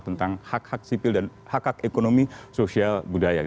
tentang hak hak sipil dan hak hak ekonomi sosial budaya